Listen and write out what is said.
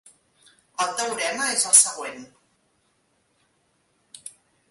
El teorema és el següent.